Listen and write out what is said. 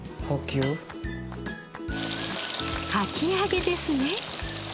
かき揚げですね。